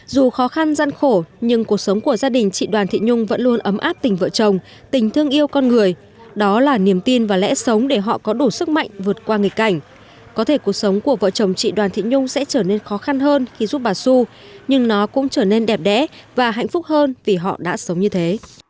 dù khó khăn gian khổ nhưng cuộc sống của gia đình chị đoàn thị nhung vẫn luôn ấm áp tình vợ chồng tình thương yêu con người đó là niềm tin và lẽ sống để họ có đủ sức mạnh vượt qua nghịch cảnh có thể cuộc sống của vợ chồng chị đoàn thị nhung sẽ trở nên khó khăn hơn khi giúp bà su nhưng nó cũng trở nên đẹp đẽ và hạnh phúc hơn vì họ đã sống như thế